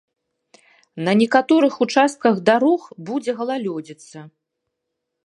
На некаторых участках дарог будзе галалёдзіца.